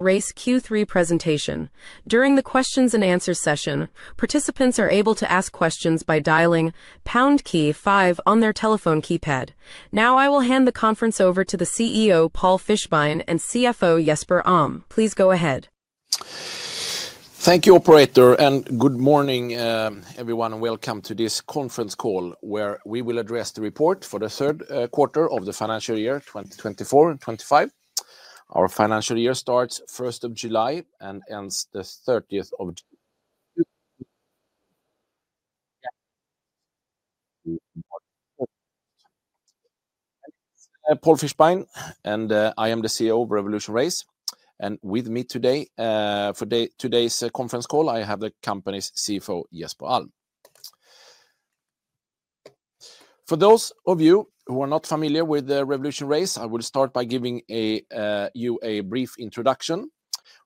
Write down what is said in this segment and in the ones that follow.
Race Q3 presentation. During the Q&A session, participants are able to ask questions by dialing pound five on their telephone keypad. Now, I will hand the conference over to the CEO Paul Fischbein and CFO Jesper Alm. Please go ahead. Thank you, Operator, and good morning everyone, and welcome to this conference call where we will address the report for the third quarter of the financial year 2024-2025. Our financial year starts 1st of July and ends 30th of July. Paul Fischbein, and I am the CEO of RevolutionRace. With me today for today's conference call, I have the company's CFO Jesper Alm. For those of you who are not familiar with RevolutionRace, I will start by giving you a brief introduction.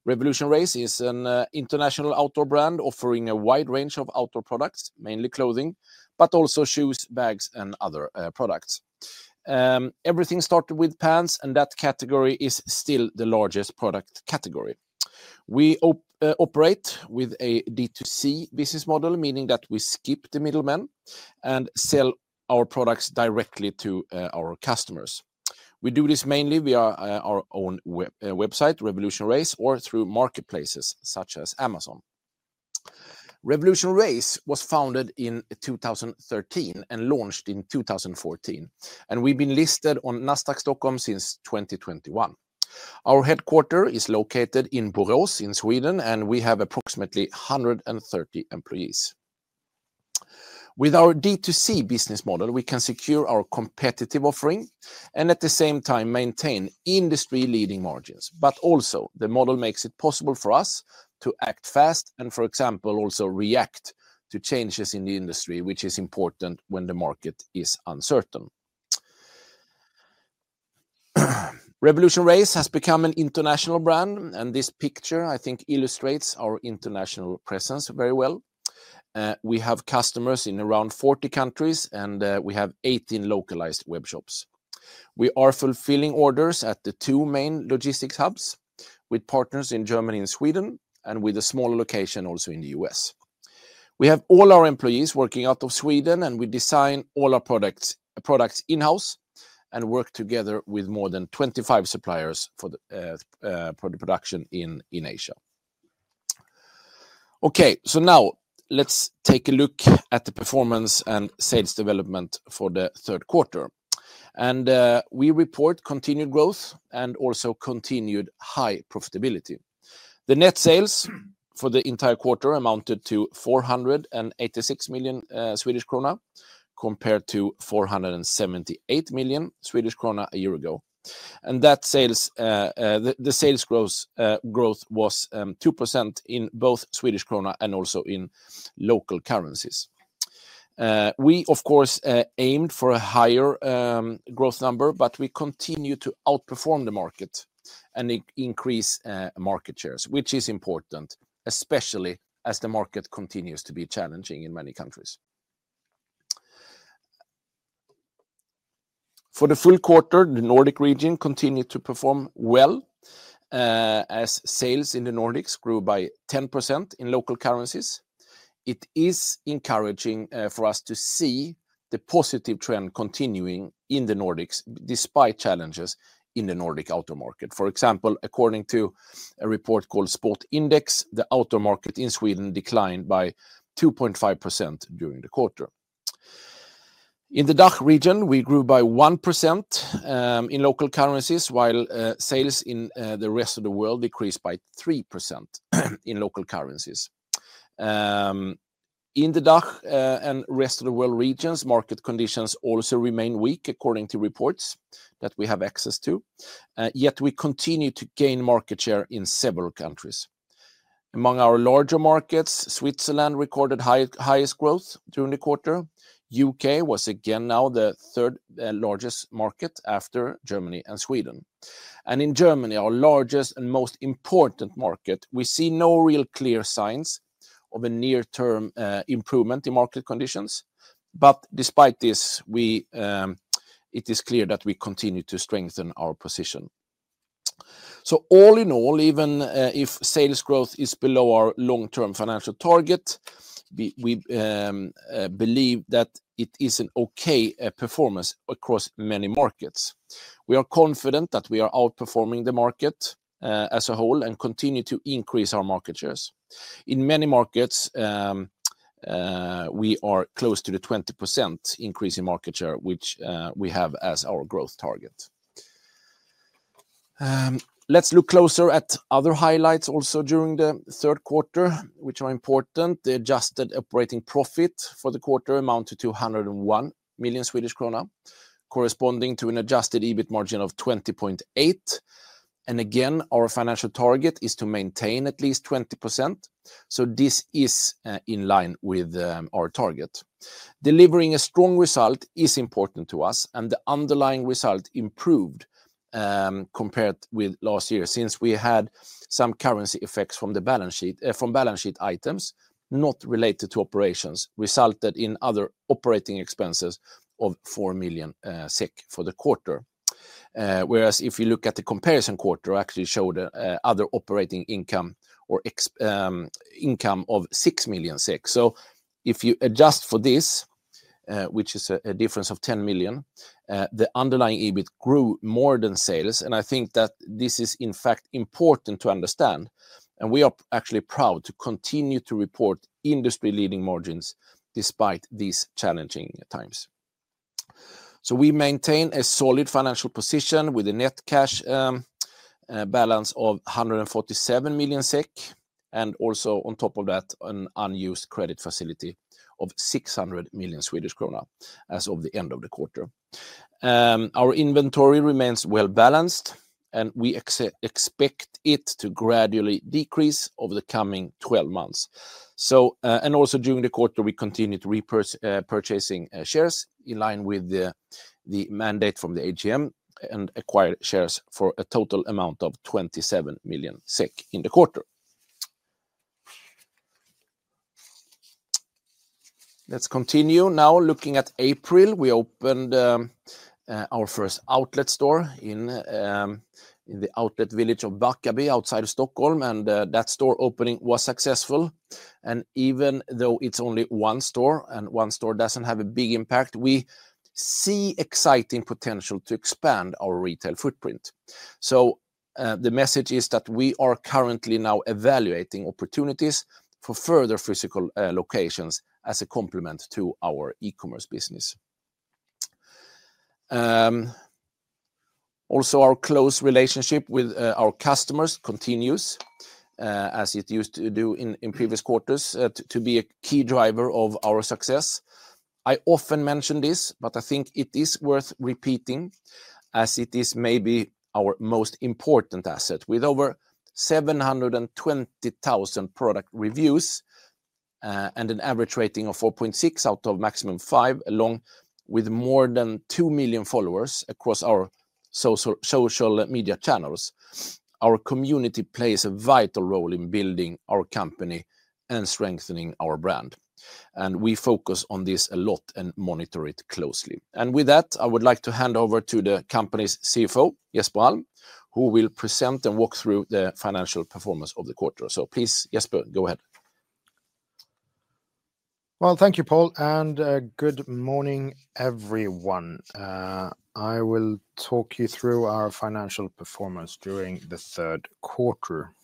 RevolutionRace is an international outdoor brand offering a wide range of outdoor products, mainly clothing, but also shoes, bags, and other products. Everything started with pants, and that category is still the largest product category. We operate with a D2C business model, meaning that we skip the middlemen and sell our products directly to our customers. We do this mainly via our own website, RevolutionRace, or through marketplaces such as Amazon. RevolutionRace was founded in 2013 and launched in 2014, and we've been listed on Nasdaq Stockholm since 2021. Our headquarters is located in Borås in Sweden, and we have approximately 130 employees. With our D2C business model, we can secure our competitive offering and at the same time maintain industry-leading margins. Also, the model makes it possible for us to act fast and, for example, react to changes in the industry, which is important when the market is uncertain. RevolutionRace has become an international brand, and this picture, I think, illustrates our international presence very well. We have customers in around 40 countries, and we have 18 localized web shops. We are fulfilling orders at the two main logistics hubs with partners in Germany and Sweden, and with a small location also in the U.S.. We have all our employees working out of Sweden, and we design all our products in-house and work together with more than 25 suppliers for the production in Asia. Okay, now let's take a look at the performance and sales development for the third quarter. We report continued growth and also continued high profitability. The net sales for the entire quarter amounted to 486 million Swedish krona compared to 478 million Swedish krona a year ago. That sales growth was 2% in both Swedish krona and also in local currencies. We, of course, aimed for a higher growth number, but we continue to outperform the market and increase market shares, which is important, especially as the market continues to be challenging in many countries. For the full quarter, the Nordic region continued to perform well as sales in the Nordics grew by 10% in local currencies. It is encouraging for us to see the positive trend continuing in the Nordics despite challenges in the Nordic outdoor market. For example, according to a report called Sport Index, the outdoor market in Sweden declined by 2.5% during the quarter. In the DACH region, we grew by 1% in local currencies, while sales in the rest of the world decreased by 3% in local currencies. In the DACH and rest of the world regions, market conditions also remain weak, according to reports that we have access to, yet we continue to gain market share in several countries. Among our larger markets, Switzerland recorded highest growth during the quarter. The U.K. was again now the third largest market after Germany and Sweden. In Germany, our largest and most important market, we see no real clear signs of a near-term improvement in market conditions. Despite this, it is clear that we continue to strengthen our position. All in all, even if sales growth is below our long-term financial target, we believe that it is an okay performance across many markets. We are confident that we are outperforming the market as a whole and continue to increase our market shares. In many markets, we are close to the 20% increase in market share, which we have as our growth target. Let's look closer at other highlights also during the third quarter, which are important. The adjusted operating profit for the quarter amounted to 201 million Swedish krona, corresponding to an adjusted EBIT margin of 20.8%. Our financial target is to maintain at least 20%. This is in line with our target. Delivering a strong result is important to us, and the underlying result improved compared with last year since we had some currency effects from the balance sheet items not related to operations resulted in other operating expenses of 4 million SEK for the quarter. Whereas if you look at the comparison quarter, it actually showed other operating income or income of 6 million SEK. If you adjust for this, which is a difference of 10 million, the underlying EBIT grew more than sales. I think that this is, in fact, important to understand. We are actually proud to continue to report industry-leading margins despite these challenging times. We maintain a solid financial position with a net cash balance of 147 million SEK and also, on top of that, an unused credit facility of 600 million Swedish krona as of the end of the quarter. Our inventory remains well balanced, and we expect it to gradually decrease over the coming 12 months. Also, during the quarter, we continue to repurchase shares in line with the mandate from the AGM and acquire shares for a total amount of 27 million SEK in the quarter. Let's continue now looking at April. We opened our first outlet store in the outlet village of Bäckaby outside of Stockholm, and that store opening was successful. Even though it is only one store and one store does not have a big impact, we see exciting potential to expand our retail footprint. The message is that we are currently now evaluating opportunities for further physical locations as a complement to our e-commerce business. Also, our close relationship with our customers continues, as it used to do in previous quarters, to be a key driver of our success. I often mention this, but I think it is worth repeating as it is maybe our most important asset with over 720,000 product reviews and an average rating of 4.6 out of maximum 5, along with more than 2 million followers across our social media channels. Our community plays a vital role in building our company and strengthening our brand. We focus on this a lot and monitor it closely. With that, I would like to hand over to the company's CFO, Jesper Alm, who will present and walk through the financial performance of the quarter. Please, Jesper, go ahead. Thank you, Paul, and good morning, everyone. I will talk you through our financial performance during the third quarter.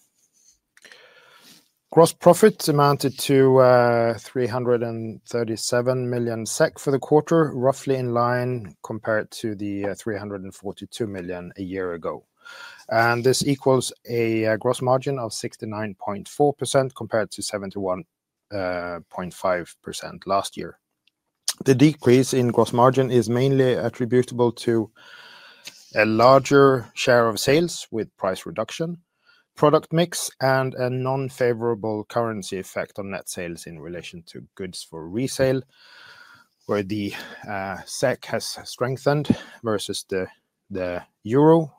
Gross profit amounted to 337 million SEK for the quarter, roughly in line compared to the 342 million a year ago. This equals a gross margin of 69.4% compared to 71.5% last year. The decrease in gross margin is mainly attributable to a larger share of sales with price reduction, product mix, and a non-favorable currency effect on net sales in relation to goods for resale, where the SEK has strengthened versus the euro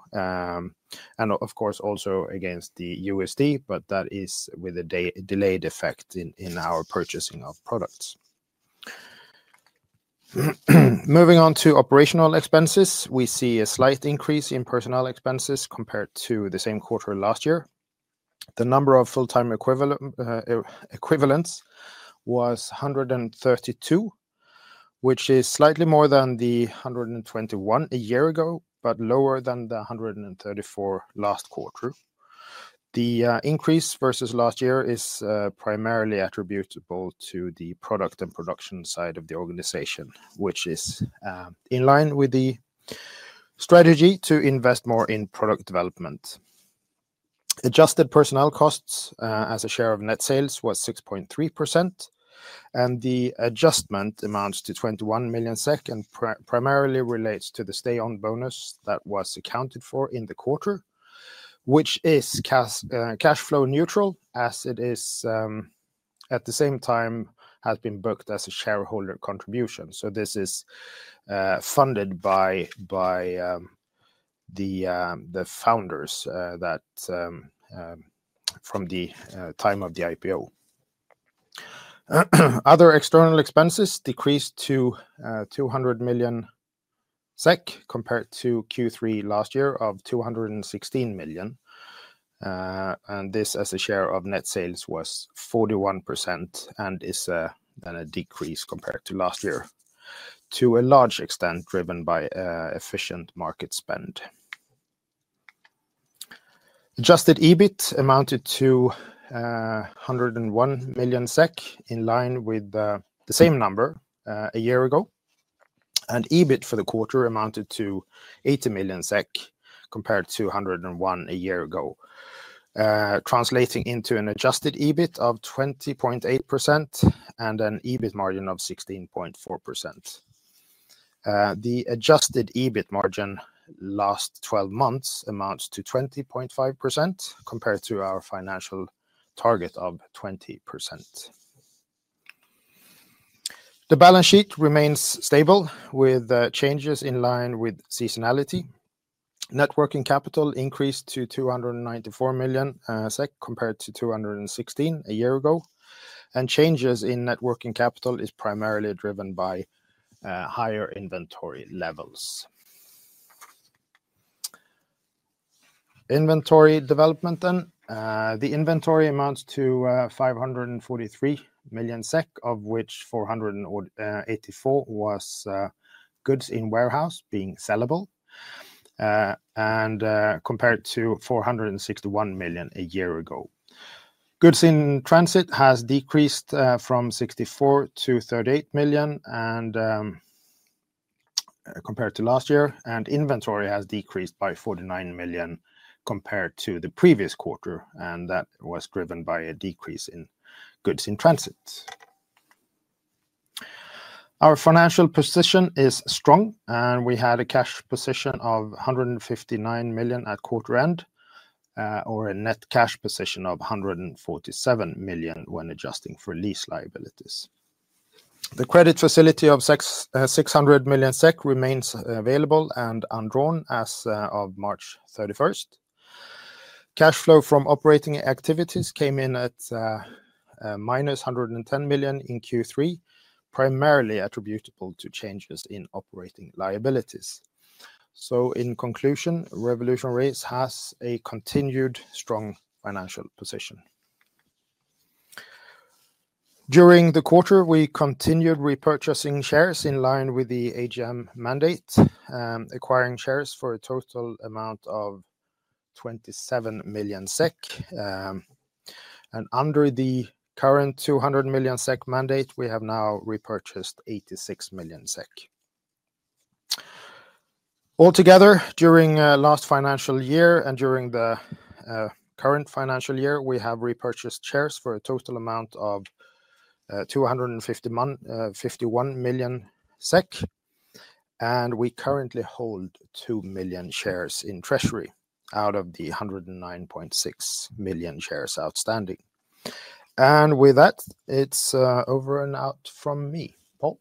and, of course, also against the USD, but that is with a delayed effect in our purchasing of products. Moving on to operational expenses, we see a slight increase in personnel expenses compared to the same quarter last year. The number of full-time equivalents was 132, which is slightly more than the 121 a year ago, but lower than the 134 last quarter. The increase versus last year is primarily attributable to the product and production side of the organization, which is in line with the strategy to invest more in product development. Adjusted personnel costs as a share of net sales was 6.3%, and the adjustment amounts to 21 million SEK and primarily relates to the stay-on bonus that was accounted for in the quarter, which is cash flow neutral as it is at the same time has been booked as a shareholder contribution. This is funded by the founders from the time of the IPO. Other external expenses decreased to 200 million SEK compared to Q3 last year of 216 million. This as a share of net sales was 41% and is then a decrease compared to last year to a large extent driven by efficient market spend. Adjusted EBIT amounted to 101 million SEK in line with the same number a year ago. EBIT for the quarter amounted to 80 million SEK compared to 101 million a year ago, translating into an adjusted EBIT margin of 20.8% and an EBIT margin of 16.4%. The adjusted EBIT margin last 12 months amounts to 20.5% compared to our financial target of 20%. The balance sheet remains stable with changes in line with seasonality. Working capital increased to 294 million SEK compared to 216 million a year ago. Changes in working capital are primarily driven by higher inventory levels. Inventory development then. The inventory amounts to 543 million SEK, of which 484 million was goods in warehouse being sellable and compared to 461 million a year ago. Goods in transit has decreased from 64 million to 38 million compared to last year. Inventory has decreased by 49 million compared to the previous quarter. That was driven by a decrease in goods in transit. Our financial position is strong, and we had a cash position of 159 million at quarter end or a net cash position of 147 million when adjusting for lease liabilities. The credit facility of 600 million SEK remains available and undrawn as of March 31, 2024. Cash flow from operating activities came in at minus 110 million in Q3, primarily attributable to changes in operating liabilities. In conclusion, RevolutionRace has a continued strong financial position. During the quarter, we continued repurchasing shares in line with the AGM mandate, acquiring shares for a total amount of 27 million SEK. Under the current 200 million SEK mandate, we have now repurchased 86 million SEK. Altogether, during last financial year and during the current financial year, we have repurchased shares for a total amount of 251 million SEK. We currently hold 2 million shares in treasury out of the 109.6 million shares outstanding. With that, it's over and out from me, Paul.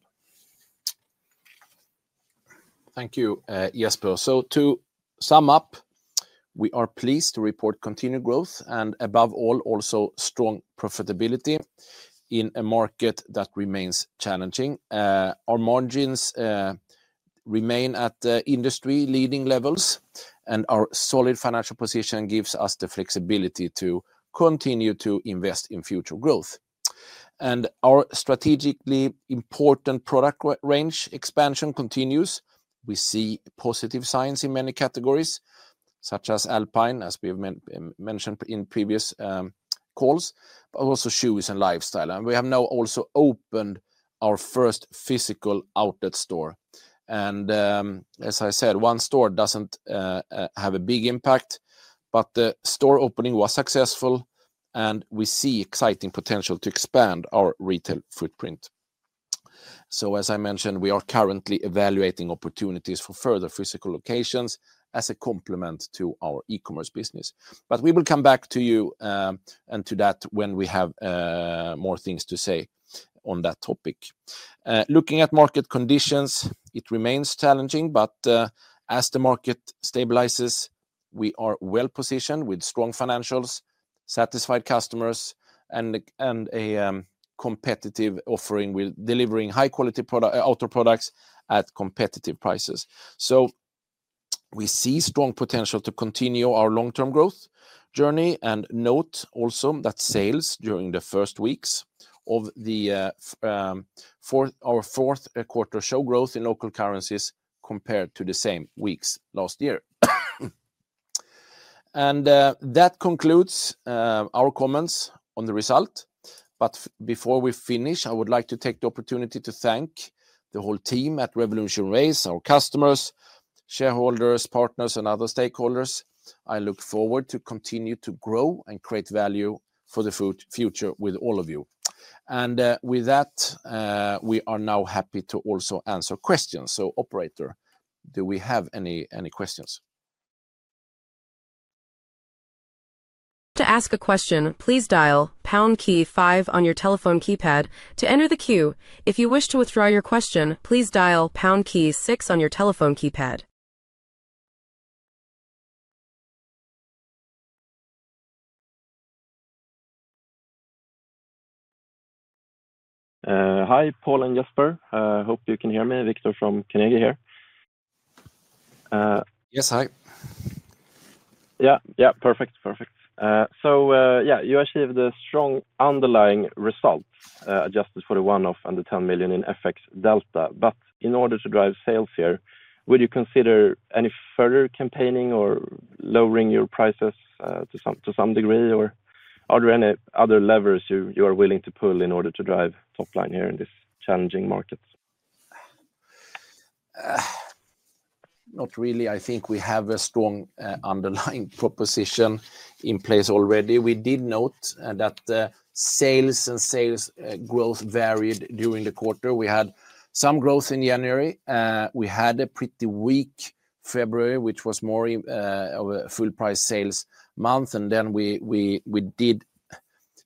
Thank you, Jesper. To sum up, we are pleased to report continued growth and above all, also strong profitability in a market that remains challenging. Our margins remain at industry-leading levels, and our solid financial position gives us the flexibility to continue to invest in future growth. Our strategically important product range expansion continues. We see positive signs in many categories, such as Alpine, as we have mentioned in previous calls, but also shoes and lifestyle. We have now also opened our first physical outlet store. As I said, one store does not have a big impact, but the store opening was successful, and we see exciting potential to expand our retail footprint. As I mentioned, we are currently evaluating opportunities for further physical locations as a complement to our e-commerce business. We will come back to you on that when we have more things to say on that topic. Looking at market conditions, it remains challenging, but as the market stabilizes, we are well positioned with strong financials, satisfied customers, and a competitive offering with delivering high-quality outdoor products at competitive prices. We see strong potential to continue our long-term growth journey and note also that sales during the first weeks of our fourth quarter showed growth in local currencies compared to the same weeks last year. That concludes our comments on the result. Before we finish, I would like to take the opportunity to thank the whole team at RevolutionRace, our customers, shareholders, partners, and other stakeholders. I look forward to continue to grow and create value for the future with all of you. With that, we are now happy to also answer questions. Operator, do we have any questions? To ask a question, please dial pound key five on your telephone keypad to enter the queue. If you wish to withdraw your question, please dial pound key six on your telephone keypad. Hi, Paul and Jesper. I hope you can hear me. Victor from Carnegie here. Yes, hi. Yeah, yeah, perfect, perfect. Yeah, you achieved a strong underlying result adjusted for the one-off under 10 million in FX Delta. In order to drive sales here, would you consider any further campaigning or lowering your prices to some degree? Are there any other levers you are willing to pull in order to drive top line here in this challenging market? Not really. I think we have a strong underlying proposition in place already. We did note that sales and sales growth varied during the quarter. We had some growth in January. We had a pretty weak February, which was more of a full price sales month. We did,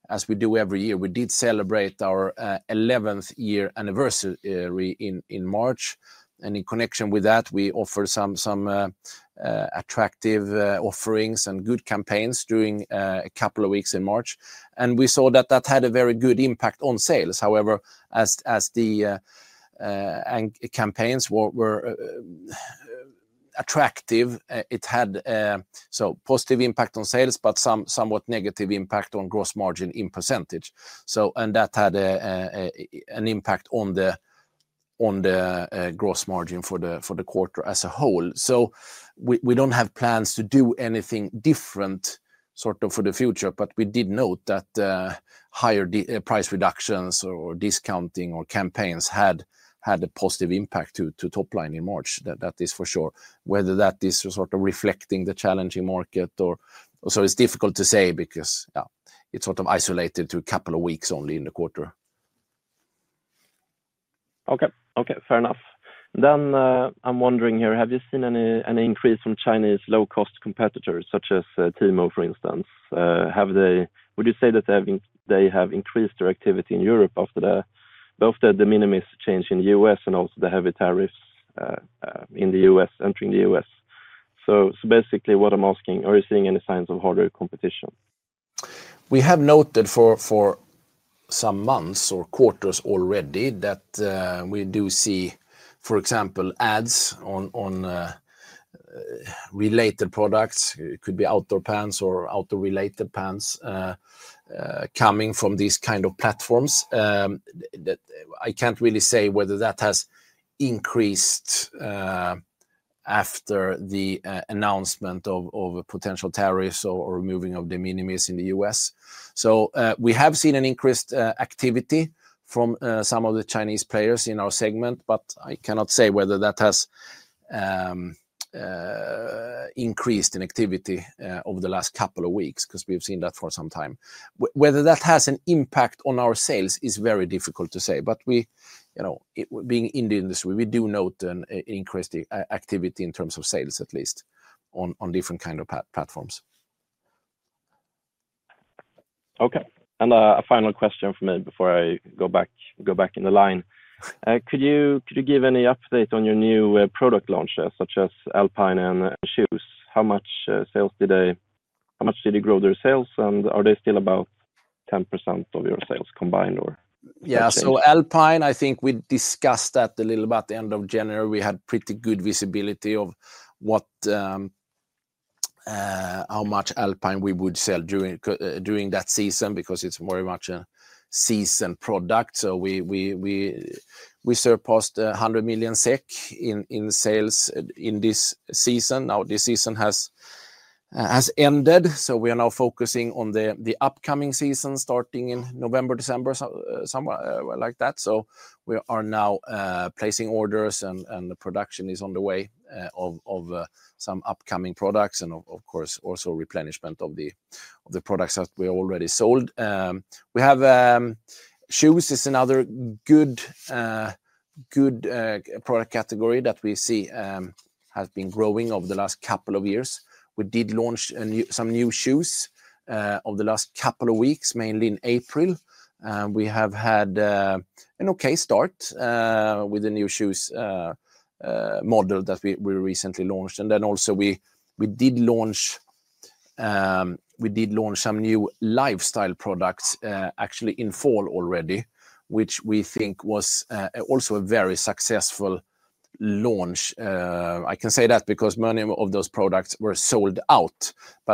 as we do every year, celebrate our 11th year anniversary in March. In connection with that, we offered some attractive offerings and good campaigns during a couple of weeks in March. We saw that had a very good impact on sales. However, as the campaigns were attractive, it had a positive impact on sales, but somewhat negative impact on gross margin in percentage. That had an impact on the gross margin for the quarter as a whole. We do not have plans to do anything different sort of for the future, but we did note that higher price reductions or discounting or campaigns had a positive impact to top line in March. That is for sure. Whether that is sort of reflecting the challenging market or so it is difficult to say because it is sort of isolated to a couple of weeks only in the quarter. Okay, okay, fair enough. I am wondering here, have you seen any increase from Chinese low-cost competitors such as Temu, for instance? Would you say that they have increased their activity in Europe after both the minimis change in the U.S. and also the heavy tariffs in the U.S. entering the U.S.? Basically, what I am asking, are you seeing any signs of harder competition? We have noted for some months or quarters already that we do see, for example, ads on related products. It could be outdoor pants or outdoor-related pants coming from these kind of platforms. I can't really say whether that has increased after the announcement of potential tariffs or removing of the de minimis in the U.S.. We have seen an increased activity from some of the Chinese players in our segment, but I cannot say whether that has increased in activity over the last couple of weeks because we've seen that for some time. Whether that has an impact on our sales is very difficult to say. Being in the industry, we do note an increased activity in terms of sales at least on different kinds of platforms. Okay. A final question for me before I go back in the line. Could you give any update on your new product launches such as Alpine and shoes? How much did they grow their sales? Are they still about 10% of your sales combined or? Yeah, so Alpine, I think we discussed that a little bit at the end of January. We had pretty good visibility of how much Alpine we would sell during that season because it is very much a season product. We surpassed 100 million SEK in sales in this season. Now this season has ended, so we are now focusing on the upcoming season starting in November, December, somewhere like that. We are now placing orders and the production is on the way of some upcoming products and of course also replenishment of the products that we already sold. We have shoes; it is another good product category that we see has been growing over the last couple of years. We did launch some new shoes over the last couple of weeks, mainly in April. We have had an okay start with the new shoes model that we recently launched. We did launch some new lifestyle products actually in fall already, which we think was also a very successful launch. I can say that because many of those products were sold out.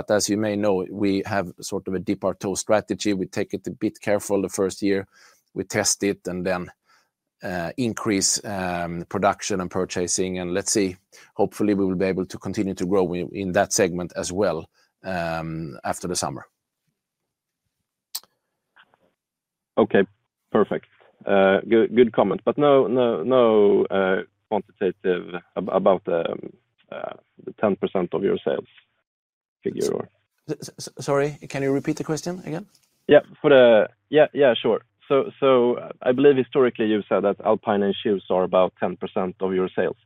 As you may know, we have sort of a dip or toe strategy. We take it a bit careful the first year. We test it and then increase production and purchasing. Let's see, hopefully we will be able to continue to grow in that segment as well after the summer. Okay, perfect. Good comment. But no quantitative about the 10% of your sales figure or? Sorry, can you repeat the question again? Yeah, yeah, sure. I believe historically you said that Alpine and shoes are about 10% of your sales.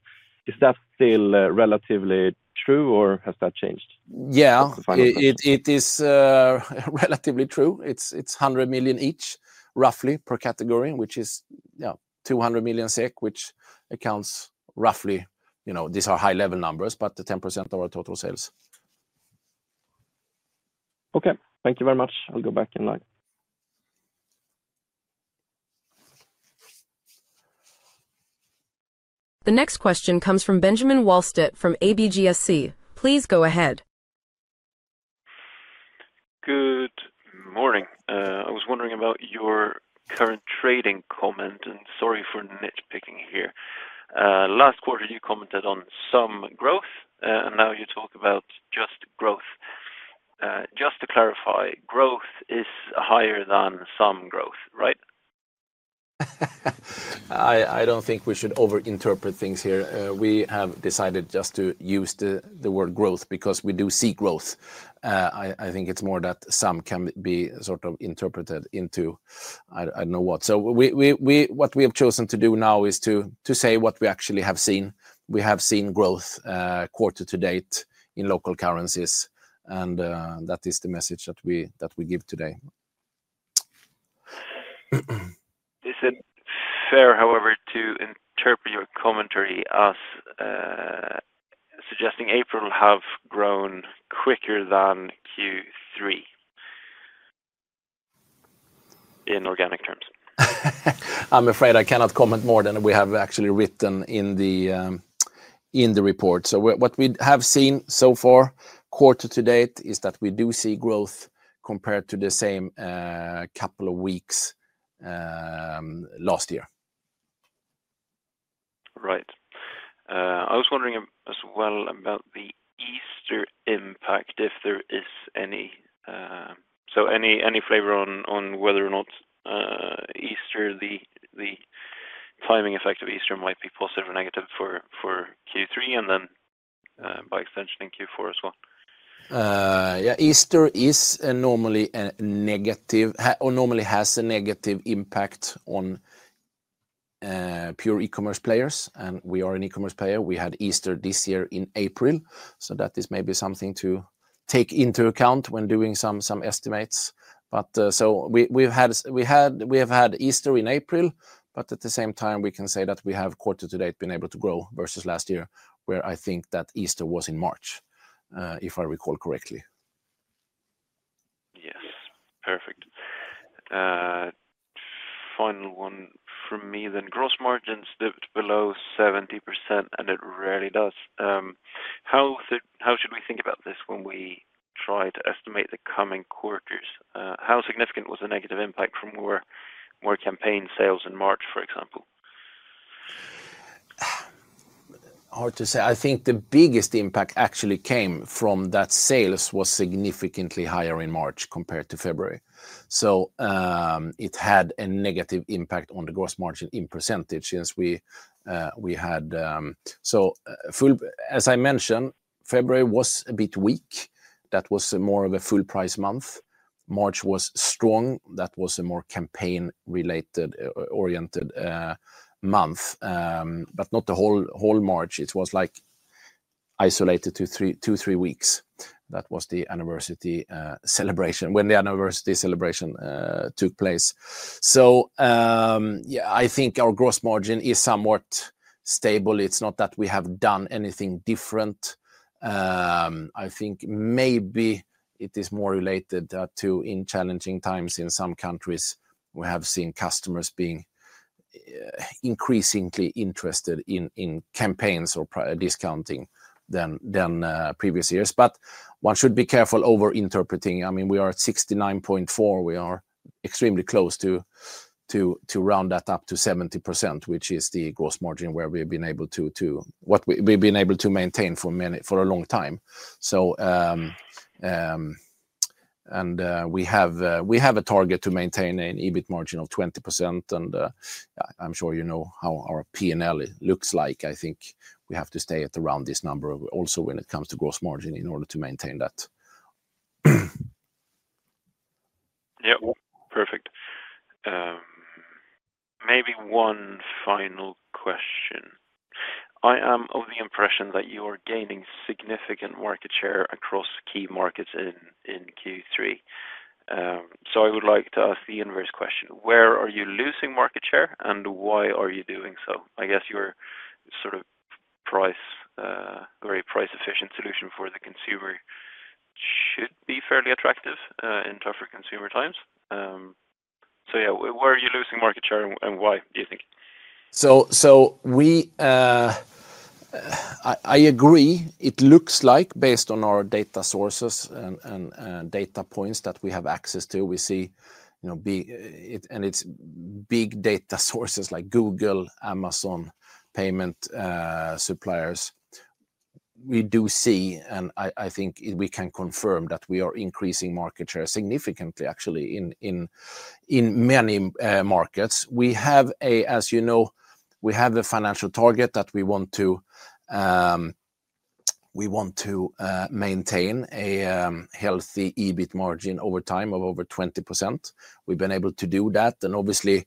Is that still relatively true or has that changed? Yeah, it is relatively true. It's 100 million each roughly per category, which is 200 million SEK, which accounts roughly, these are high-level numbers, but the 10% of our total sales. Okay, thank you very much. I'll go back in line. The next question comes from Benjamin Wahlstedt from ABGSC. Please go ahead. Good morning. I was wondering about your current trading comment, and sorry for nitpicking here. Last quarter, you commented on some growth, and now you talk about just growth. Just to clarify, growth is higher than some growth, right? I don't think we should overinterpret things here. We have decided just to use the word growth because we do see growth. I think it's more that some can be sort of interpreted into I don't know what. What we have chosen to do now is to say what we actually have seen. We have seen growth quarter to date in local currencies, and that is the message that we give today. Is it fair, however, to interpret your commentary as suggesting April have grown quicker than Q3 in organic terms? I'm afraid I cannot comment more than we have actually written in the report. What we have seen so far, quarter to date, is that we do see growth compared to the same couple of weeks last year. Right. I was wondering as well about the Easter impact, if there is any. So any flavor on whether or not Easter, the timing effect of Easter might be positive or negative for Q3 and then by extension in Q4 as well? Yeah, Easter is normally a negative or normally has a negative impact on pure e-commerce players. We are an e-commerce player. We had Easter this year in April. That is maybe something to take into account when doing some estimates. We have had Easter in April, but at the same time, we can say that we have quarter to date been able to grow versus last year where I think that Easter was in March, if I recall correctly. Yes, perfect. Final one from me then. Gross margins dipped below 70%, and it rarely does. How should we think about this when we try to estimate the coming quarters? How significant was the negative impact from more campaign sales in March, for example? Hard to say. I think the biggest impact actually came from that sales was significantly higher in March compared to February. It had a negative impact on the gross margin in percentage since we had. As I mentioned, February was a bit weak. That was more of a full-price month. March was strong. That was a more campaign-oriented month, but not the whole March. It was like isolated to two, three weeks. That was the anniversary celebration when the anniversary celebration took place. I think our gross margin is somewhat stable. It's not that we have done anything different. I think maybe it is more related to in challenging times in some countries, we have seen customers being increasingly interested in campaigns or discounting than previous years. One should be careful overinterpreting. I mean, we are at 69.4%. We are extremely close to round that up to 70%, which is the gross margin where we've been able to, what we've been able to maintain for a long time. We have a target to maintain an EBIT margin of 20%. I'm sure you know how our P&L looks like. I think we have to stay at around this number also when it comes to gross margin in order to maintain that. Yeah, perfect. Maybe one final question. I am of the impression that you are gaining significant market share across key markets in Q3. I would like to ask the inverse question. Where are you losing market share and why are you doing so? I guess your sort of very price-efficient solution for the consumer should be fairly attractive in tougher consumer times. Yeah, where are you losing market share and why do you think? I agree. It looks like based on our data sources and data points that we have access to, we see, and it's big data sources like Google, Amazon, payment suppliers. We do see, and I think we can confirm that we are increasing market share significantly actually in many markets. We have a, as you know, we have a financial target that we want to maintain a healthy EBIT margin over time of over 20%. We've been able to do that. Obviously,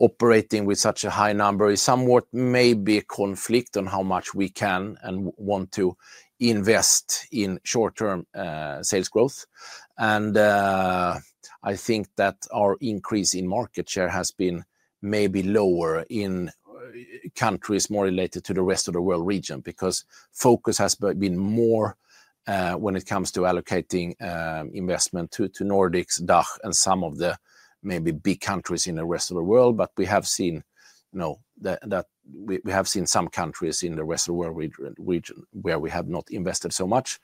operating with such a high number is somewhat maybe a conflict on how much we can and want to invest in short-term sales growth. I think that our increase in market share has been maybe lower in countries more related to the rest of the world region because focus has been more when it comes to allocating investment to Nordics, DACH, and some of the maybe big countries in the rest of the world. We have seen that we have seen some countries in the rest of the world region where we have not invested so much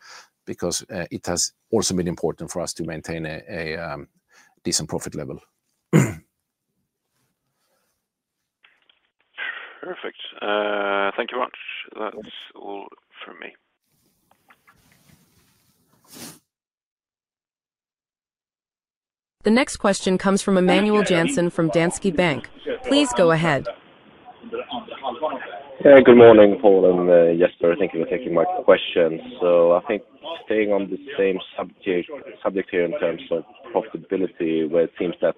because it has also been important for us to maintain a decent profit level. Perfect. Thank you very much. That's all from me. The next question comes from Emmanuel Jansson from Danske Bank. Please go ahead. Hey, good morning, Paul and Jesper. Thank you for taking my question. I think staying on the same subject here in terms of profitability, where it seems that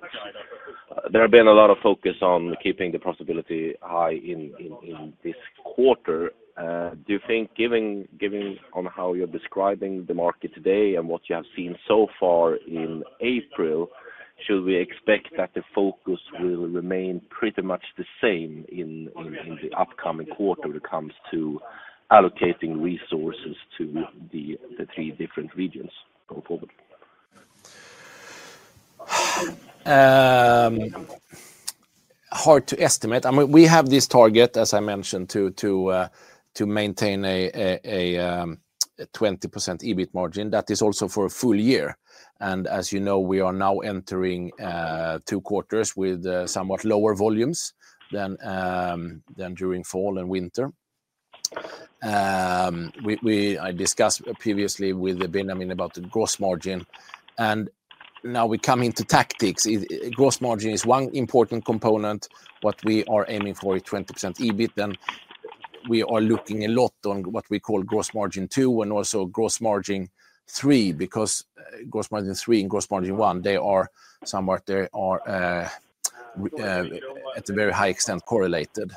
there has been a lot of focus on keeping the profitability high in this quarter. Do you think, given how you're describing the market today and what you have seen so far in April, should we expect that the focus will remain pretty much the same in the upcoming quarter when it comes to allocating resources to the three different regions going forward? Hard to estimate. I mean, we have this target, as I mentioned, to maintain a 20% EBIT margin. That is also for a full year. As you know, we are now entering two quarters with somewhat lower volumes than during fall and winter. I discussed previously with Benjamin about the gross margin. Now we come into tactics. Gross margin is one important component. What we are aiming for is 20% EBIT, and we are looking a lot on what we call gross margin two and also gross margin three because gross margin three and gross margin one, they are somewhat, they are at a very high extent correlated.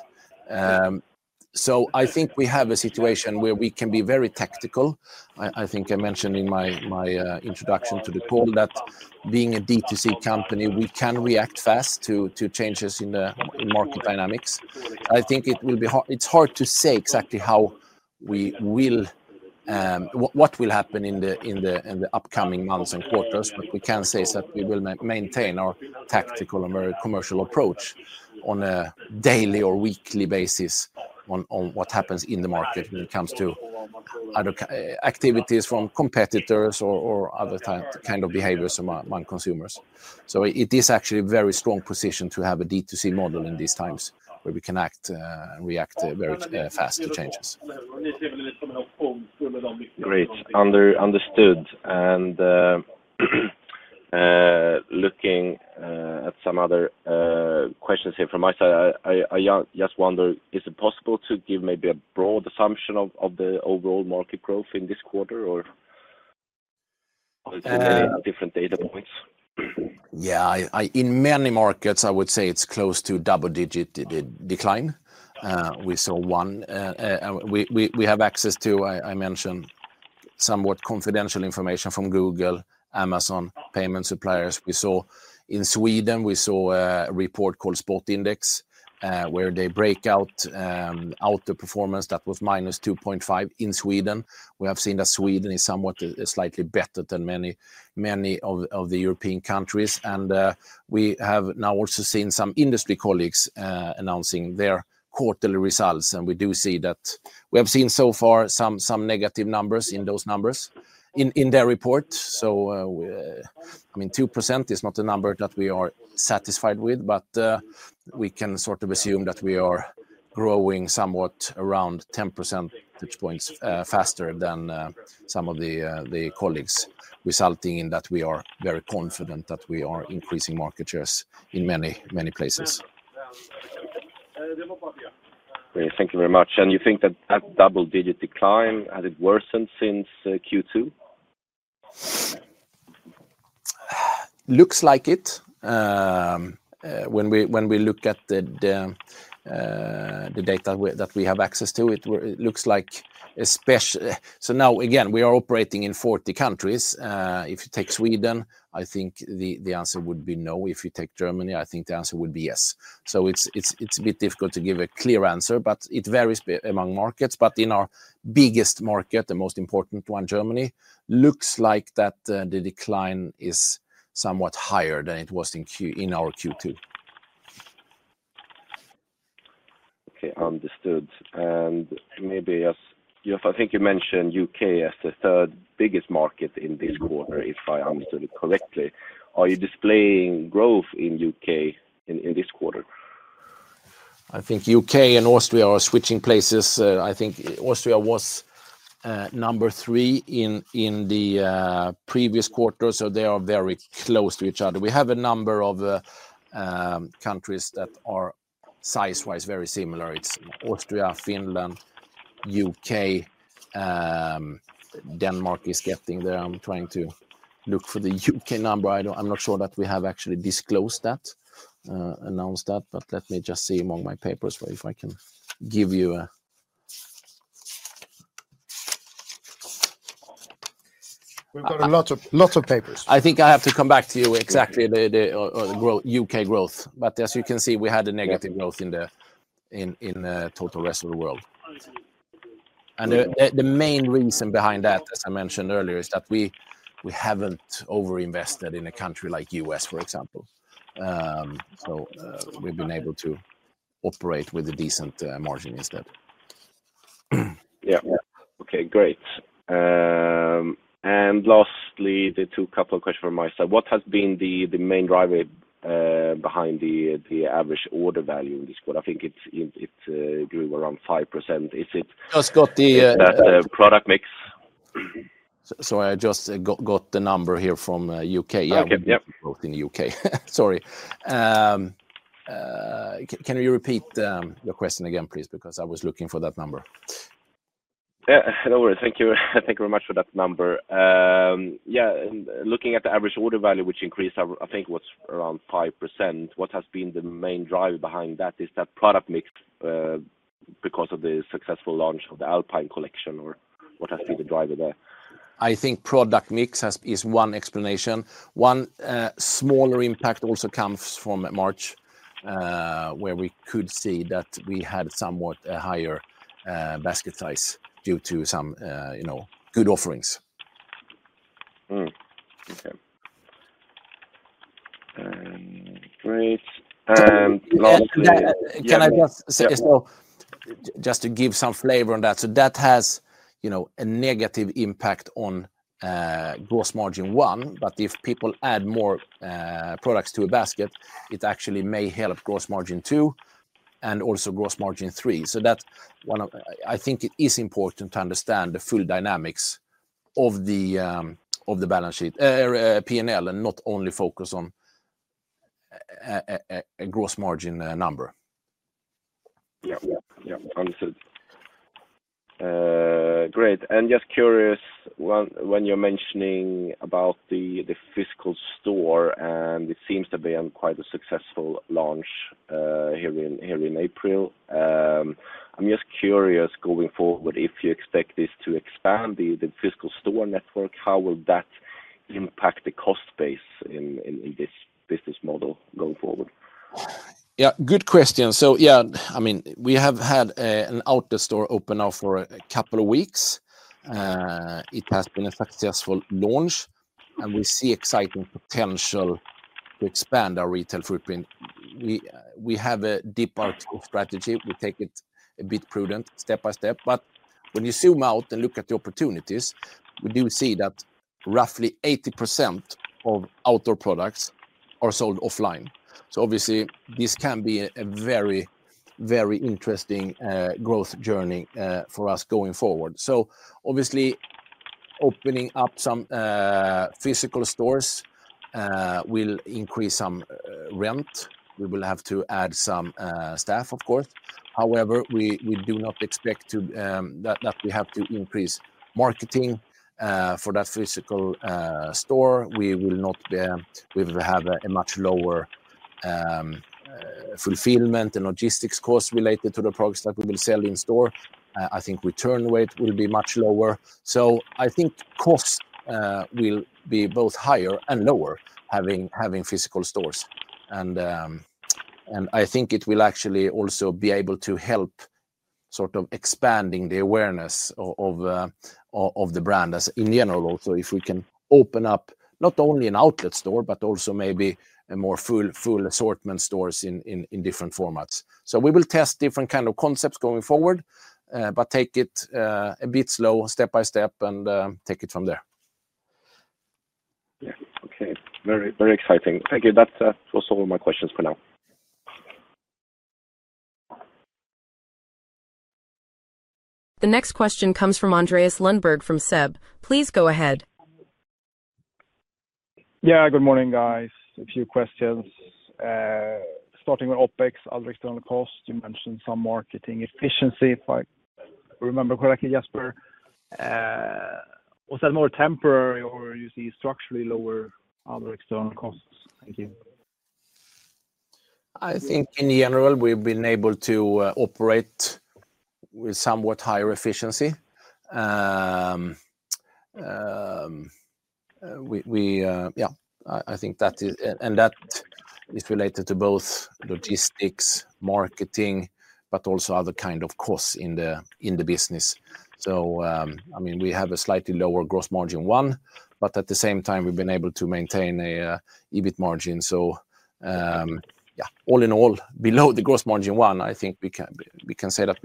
I think we have a situation where we can be very tactical. I think I mentioned in my introduction to the call that being a D2C company, we can react fast to changes in the market dynamics. I think it will be hard, it's hard to say exactly how we will, what will happen in the upcoming months and quarters, but we can say that we will maintain our tactical and very commercial approach on a daily or weekly basis on what happens in the market when it comes to activities from competitors or other kinds of behaviors among consumers. It is actually a very strong position to have a D2C model in these times where we can act and react very fast to changes. Great. Understood. Looking at some other questions here from my side, I just wonder, is it possible to give maybe a broad assumption of the overall market growth in this quarter or different data points? Yeah, in many markets, I would say it's close to double-digit decline. We saw one, we have access to, I mentioned, somewhat confidential information from Google, Amazon, payment suppliers. We saw in Sweden, we saw a report called Sport Index where they break out outer performance that was -2.5% in Sweden. We have seen that Sweden is somewhat slightly better than many of the European countries. We have now also seen some industry colleagues announcing their quarterly results. We do see that we have seen so far some negative numbers in those numbers in their report. I mean, 2% is not a number that we are satisfied with, but we can sort of assume that we are growing somewhat around 10% points faster than some of the colleagues, resulting in that we are very confident that we are increasing market shares in many places. Thank you very much. Do you think that that double-digit decline, has it worsened since Q2? Looks like it. When we look at the data that we have access to, it looks like especially, so now again, we are operating in 40 countries. If you take Sweden, I think the answer would be no. If you take Germany, I think the answer would be yes. It is a bit difficult to give a clear answer, but it varies among markets. In our biggest market, the most important one, Germany, it looks like the decline is somewhat higher than it was in our Q2. Okay, understood. Maybe I think you mentioned U.K. as the third biggest market in this quarter, if I understood it correctly. Are you displaying growth in U.K. in this quarter? I think U.K. and Austria are switching places. I think Austria was number three in the previous quarter, so they are very close to each other. We have a number of countries that are size-wise very similar. It's Austria, Finland, U.K. Denmark is getting there. I'm trying to look for the U.K. number. I'm not sure that we have actually disclosed that, announced that, but let me just see among my papers if I can give you a. We've got a lot of papers. I think I have to come back to you exactly the U.K. growth. As you can see, we had a negative growth in the total rest of the world. The main reason behind that, as I mentioned earlier, is that we have not over-invested in a country like the U.S., for example. We have been able to operate with a decent margin instead. Yeah. Okay, great. Lastly, a couple of questions from my side. What has been the main driver behind the average order value in this quarter? I think it grew around 5%. Just got the. Product mix. I just got the number here from the U.K. Okay, yeah. Growth in the U.K. Sorry. Can you repeat your question again, please, because I was looking for that number? Yeah, no worries. Thank you very much for that number. Yeah, looking at the average order value, which increased, I think was around 5%, what has been the main driver behind that? Is that product mix because of the successful launch of the Alpine Collection, or what has been the driver there? I think product mix is one explanation. One smaller impact also comes from March where we could see that we had somewhat a higher basket size due to some good offerings. Okay. Great. Lastly. Can I just say, just to give some flavor on that. That has a negative impact on gross margin one, but if people add more products to a basket, it actually may help gross margin two and also gross margin three. I think it is important to understand the full dynamics of the balance sheet, P&L, and not only focus on a gross margin number. Yeah, yeah, yeah. Understood. Great. Just curious, when you're mentioning about the physical store, and it seems to be on quite a successful launch here in April, I'm just curious going forward, if you expect this to expand the physical store network, how will that impact the cost base in this business model going forward? Yeah, good question. Yeah, I mean, we have had an outlet store open now for a couple of weeks. It has been a successful launch, and we see exciting potential to expand our retail footprint. We have a [D2C] strategy. We take it a bit prudent, step by step. When you zoom out and look at the opportunities, we do see that roughly 80% of outdoor products are sold offline. Obviously, this can be a very, very interesting growth journey for us going forward. Obviously, opening up some physical stores will increase some rent. We will have to add some staff, of course. However, we do not expect that we have to increase marketing for that physical store. We will have a much lower fulfillment and logistics cost related to the products that we will sell in store. I think return rate will be much lower. I think costs will be both higher and lower having physical stores. I think it will actually also be able to help sort of expanding the awareness of the brand in general also, if we can open up not only an outlet store, but also maybe more full assortment stores in different formats. We will test different kinds of concepts going forward, but take it a bit slow, step by step, and take it from there. Yeah. Okay. Very exciting. Thank you. That was all my questions for now. The next question comes from Andreas Lundberg from SEB. Please go ahead. Yeah, good morning, guys. A few questions. Starting with OpEx, other external costs, you mentioned some marketing efficiency, if I remember correctly, Jesper. Was that more temporary or you see structurally lower other external costs? Thank you. I think in general, we've been able to operate with somewhat higher efficiency. Yeah, I think that is, and that is related to both logistics, marketing, but also other kinds of costs in the business. I mean, we have a slightly lower gross margin one, but at the same time, we've been able to maintain an EBIT margin. Yeah, all in all, below the gross margin one, I think we can say that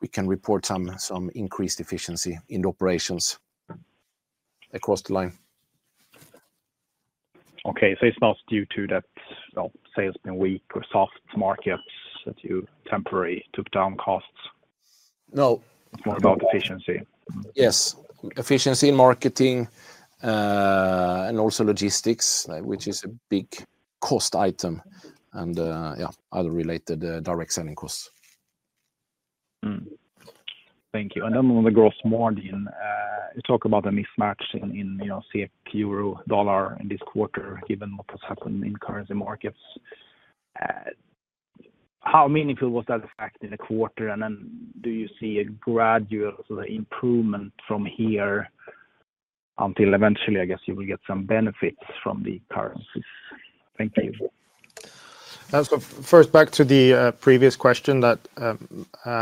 we can report some increased efficiency in the operations across the line. Okay. So it's not due to that sales been weak or soft markets that you temporarily took down costs? No. It's more about efficiency. Yes. Efficiency in marketing and also logistics, which is a big cost item and other related direct selling costs. Thank you. Then on the gross margin, you talk about a mismatch in euro dollar in this quarter given what has happened in currency markets. How meaningful was that fact in the quarter? Do you see a gradual improvement from here until eventually, I guess you will get some benefits from the currencies? Thank you. First, back to the previous question that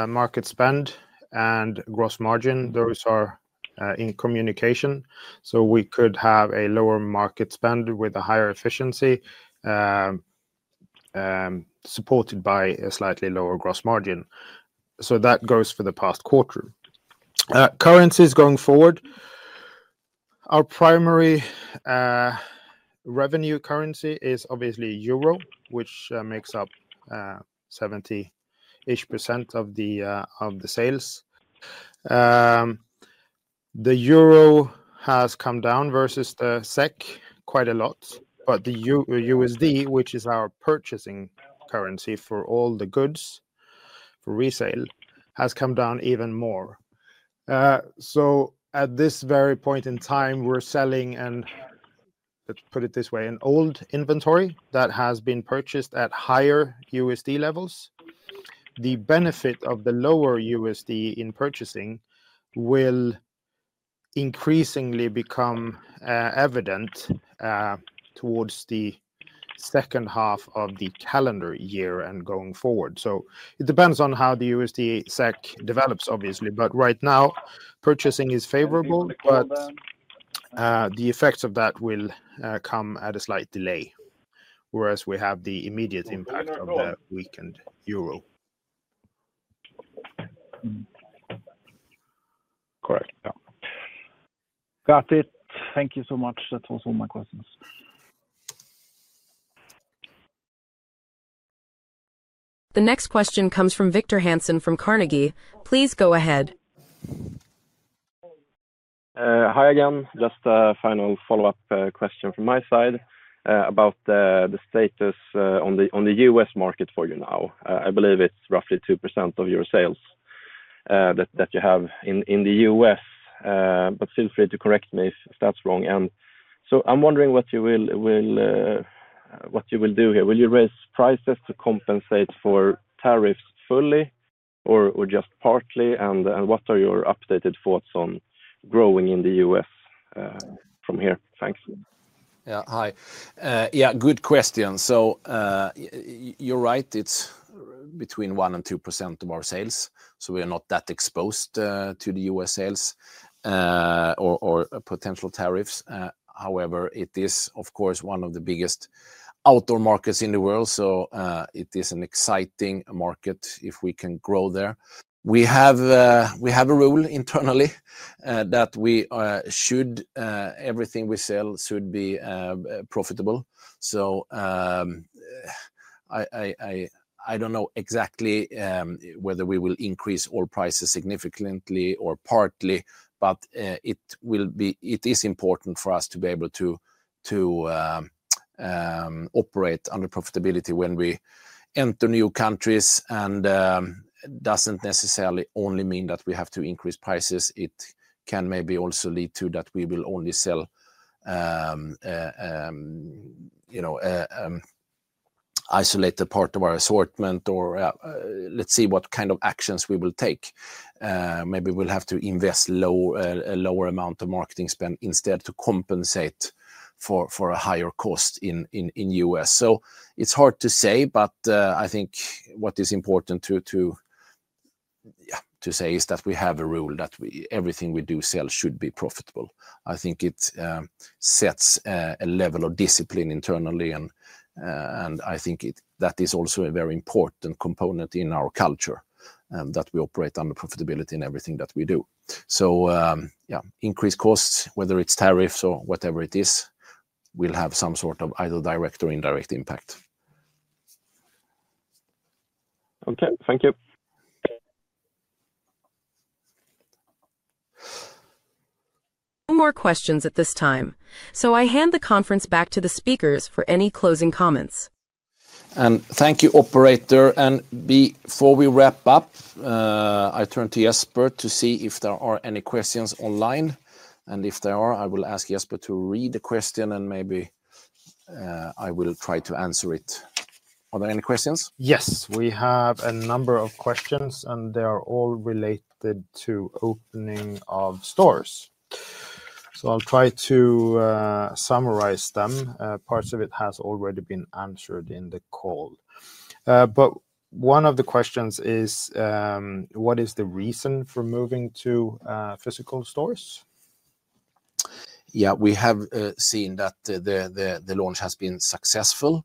market spend and gross margin, those are in communication. We could have a lower market spend with a higher efficiency supported by a slightly lower gross margin. That goes for the past quarter. Currencies going forward, our primary revenue currency is obviously euro, which makes up 70% of the sales. The euro has come down versus the SEK quite a lot, but the USD, which is our purchasing currency for all the goods for resale, has come down even more. At this very point in time, we're selling, and let's put it this way, an old inventory that has been purchased at higher USD levels. The benefit of the lower USD in purchasing will increasingly become evident towards the second half of the calendar year and going forward. It depends on how the USD/SEK develops, obviously, but right now, purchasing is favorable, but the effects of that will come at a slight delay, whereas we have the immediate impact of the weakened euro. Correct. Yeah. Got it. Thank you so much. That was all my questions. The next question comes from Victor Hansen from Carnegie. Please go ahead. Hi again. Just a final follow-up question from my side about the status on the U.S. market for you now. I believe it's roughly 2% of your sales that you have in the U.S., but feel free to correct me if that's wrong. I am wondering what you will do here. Will you raise prices to compensate for tariffs fully or just partly? What are your updated thoughts on growing in the U.S. from here? Thanks. Yeah. Hi. Yeah, good question. So you're right. It's between 1% and 2% of our sales. So we are not that exposed to the U.S. sales or potential tariffs. However, it is, of course, one of the biggest outdoor markets in the world. It is an exciting market if we can grow there. We have a rule internally that everything we sell should be profitable. I don't know exactly whether we will increase all prices significantly or partly, but it is important for us to be able to operate under profitability when we enter new countries. It doesn't necessarily only mean that we have to increase prices. It can maybe also lead to that we will only sell an isolated part of our assortment, or let's see what kind of actions we will take. Maybe we'll have to invest a lower amount of marketing spend instead to compensate for a higher cost in the U.S.. It's hard to say, but I think what is important to say is that we have a rule that everything we do sell should be profitable. I think it sets a level of discipline internally, and I think that is also a very important component in our culture that we operate under profitability in everything that we do. Increased costs, whether it's tariffs or whatever it is, will have some sort of either direct or indirect impact. Okay. Thank you. No more questions at this time. I hand the conference back to the speakers for any closing comments. Thank you, operator. Before we wrap up, I turn to Jesper to see if there are any questions online. If there are, I will ask Jesper to read the question, and maybe I will try to answer it. Are there any questions? Yes. We have a number of questions, and they are all related to opening of stores. I'll try to summarize them. Parts of it have already been answered in the call. One of the questions is, what is the reason for moving to physical stores? Yeah, we have seen that the launch has been successful.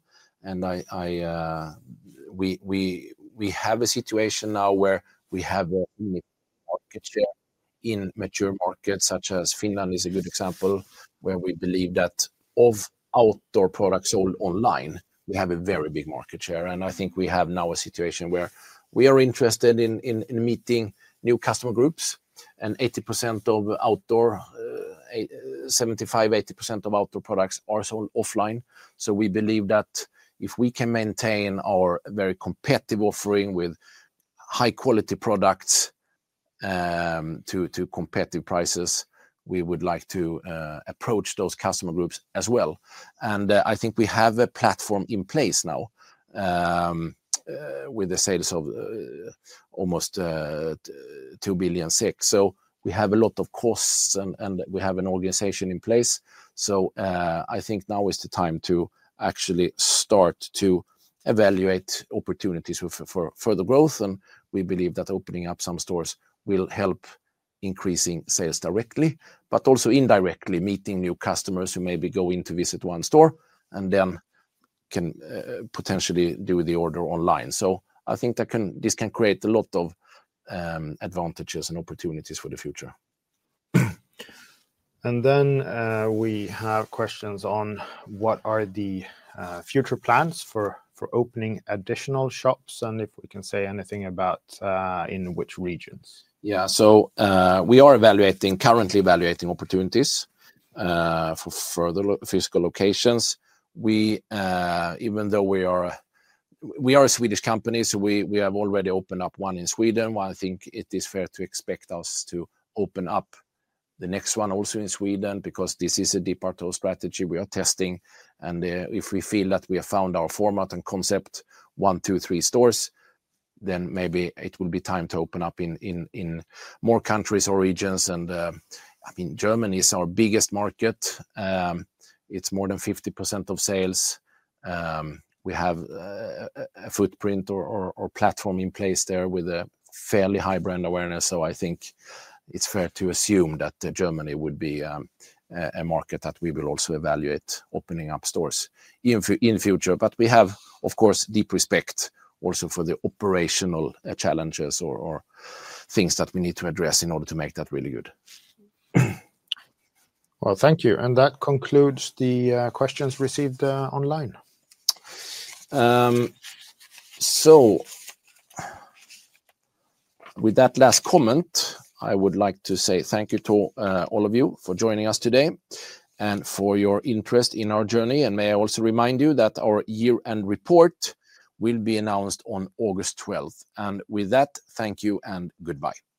We have a situation now where we have a market share in mature markets, such as Finland is a good example, where we believe that of outdoor products sold online, we have a very big market share. I think we have now a situation where we are interested in meeting new customer groups. 75% of outdoor products are sold offline. We believe that if we can maintain our very competitive offering with high-quality products to competitive prices, we would like to approach those customer groups as well. I think we have a platform in place now with the sales of almost 2 billion. We have a lot of costs, and we have an organization in place. I think now is the time to actually start to evaluate opportunities for further growth. We believe that opening up some stores will help increasing sales directly, but also indirectly meeting new customers who maybe go in to visit one store and then can potentially do the order online. I think this can create a lot of advantages and opportunities for the future. We have questions on what are the future plans for opening additional shops and if we can say anything about in which regions. Yeah. So we are currently evaluating opportunities for further physical locations. Even though we are a Swedish company, we have already opened up one in Sweden. I think it is fair to expect us to open up the next one also in Sweden because this is a departure strategy we are testing. If we feel that we have found our format and concept, one, two, three stores, then maybe it will be time to open up in more countries or regions. I mean, Germany is our biggest market. It is more than 50% of sales. We have a footprint or platform in place there with a fairly high brand awareness. I think it is fair to assume that Germany would be a market that we will also evaluate opening up stores in the future. We have, of course, deep respect also for the operational challenges or things that we need to address in order to make that really good. Thank you. That concludes the questions received online. With that last comment, I would like to say thank you to all of you for joining us today and for your interest in our journey. May I also remind you that our year-end report will be announced on August 12th. With that, thank you and goodbye.